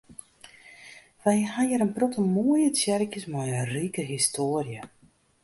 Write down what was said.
Wy ha hjir in protte moaie tsjerkjes mei in rike histoarje.